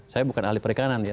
saya bukan ahli perikanan ya